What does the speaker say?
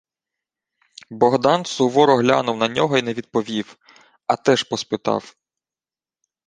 Богдан суворо глянув на нього й не відповів, а теж поспитав: